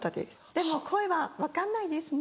でも恋は分かんないですね。